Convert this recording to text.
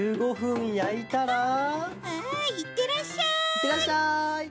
いってらっしゃい！